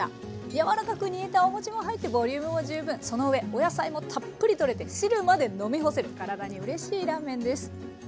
柔らかく煮えたお餅も入ってボリュームも十分そのうえお野菜もたっぷりとれて汁まで飲み干せる体にうれしいラーメンです。